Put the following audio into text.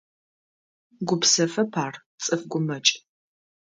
Гупсэфэп ар, цӏыф гумэкӏ.